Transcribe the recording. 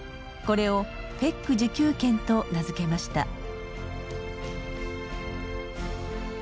これをＦＥＣ自給圏と名付けました。